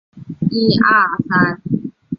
现任巴德学院讲师。